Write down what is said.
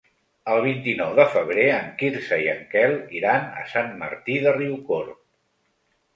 El vint-i-nou de febrer en Quirze i en Quel iran a Sant Martí de Riucorb.